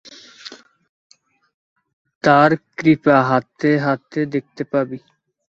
তাঁর কৃপা হাতে হাতে দেখতে পাবি।